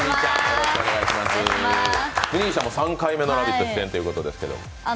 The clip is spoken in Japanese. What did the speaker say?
峯岸さんも３回目の「ラヴィット！」出演ということですけど。